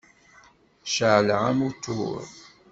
Ceεleɣ amutur.